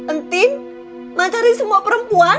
enting mencari semua perempuan